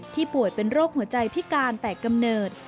ป่วยเป็นโรคหัวใจพิการแต่กำเนิด